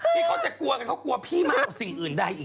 ที่เขาจะกลัวกันเขากลัวพี่มากกว่าสิ่งอื่นใดอีก